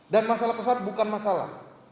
dan masalah pesawat bukan masalah